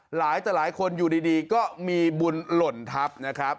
หลายคนอยู่ดีก็มีบุญหล่นทัพนะครับ